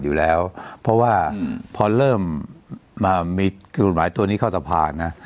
อยู่แล้วเพราะว่าพอเริ่มมามีกฎหมายตัวนี้เข้าสภานะ